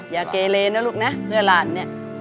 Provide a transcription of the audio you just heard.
อย่าเกเลนะลูกนะเพื่อหลานเนี่ย